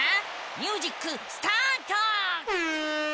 ミュージックスタート！